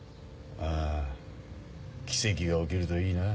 ああ奇跡が起きるといいな。